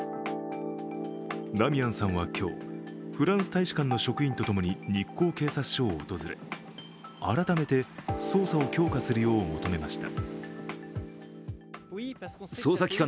ダミアンさんは今日、フランス大使館の職員とともに日光警察署を訪れ改めて捜査を強化するよう求めました。